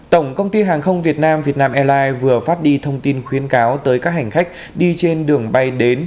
tổng công ty hàng không việt nam vietnam airlines vừa phát đi thông tin khuyến cáo tới các hành khách đi trên đường bay đến